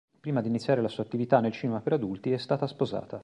Prima di iniziare la sua attività nel cinema per adulti è stata sposata.